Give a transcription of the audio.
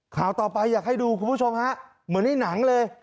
ข่าวต่อไปอยากให้ดูคุณผู้ชมฮะเหมือนในหนังเลย